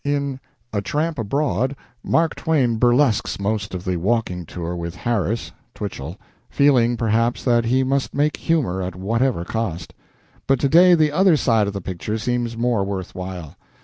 "In A Tramp Abroad" Mark Twain burlesques most of the walking tour with Harris (Twichell), feeling, perhaps, that he must make humor at whatever cost. But to day the other side of the picture seems more worth while.